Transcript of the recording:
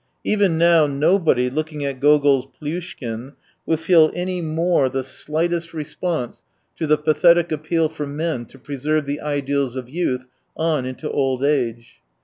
Even now nobody, looking at Gogol's Plyushkin, will feel any more the slightest 107 response to the pathetic appeal for men to preserve the ideals of youth on into old age.